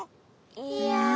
いや。